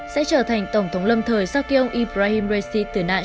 sẽ trở thành tổng thống lâm thời sau khi ông ibrahim raisi tử nạn trong vụ tai nạn máy bay